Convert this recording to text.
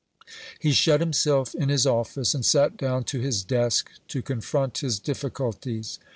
He shut himself in his office, and sat down to his desk to confront his difficulties.